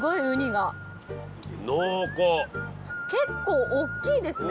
結構大きいですね